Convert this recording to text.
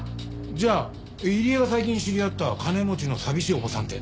じゃあ入江が最近知り合った金持ちの寂しいおばさんって。